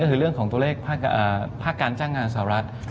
ก็คือเรื่องของตัวเลขภาคการจ้างงานสหรัฐ